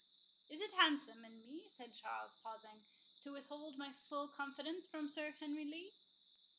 "Is it handsome in me," said Charles, pausing, "to withhold my full confidence from Sir Henry Lee?"